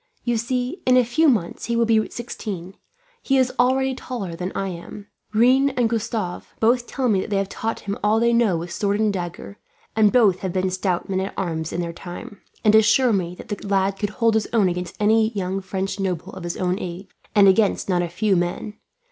You see, in a few months he will be sixteen. He is already taller than I am. Rene and Gustave both tell me that they have taught him all they know with sword and dagger; and both have been stout men at arms in their time, and assure me that the lad could hold his own against any young French noble of his own age, and against not a few men.